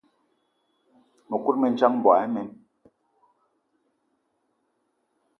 Mëkudgë mendjang, mboigi imen.